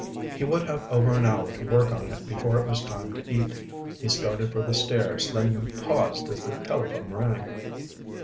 He would have over an hour to work on it before it was time to eat. He started for the stairs, then paused as the telephone rang.